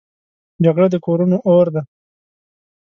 جګړه د کورونو اور دی